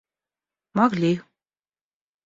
могли